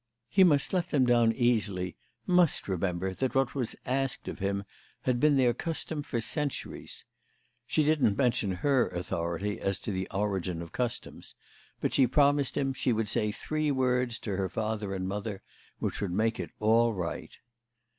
He must let them down easily, must remember that what was asked of him had been their custom for centuries. She didn't mention her authority as to the origin of customs, but she promised him she would say three words to her father and mother which would make it all right.